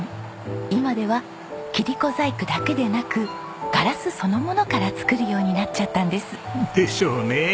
今では切子細工だけでなくガラスそのものから作るようになっちゃったんです。でしょうね。